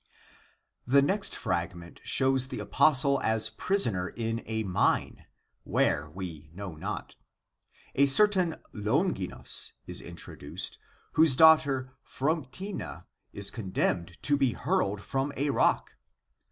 The next fragment shows the apostle as prisoner in a mine, where, we know not. A certain Longinus is intro duced, whose daughter Phrontina is condemned to be hurled from a rock.